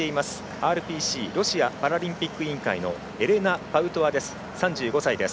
ＲＰＣ＝ロシアパラリンピック委員会のエレナ・パウトワです。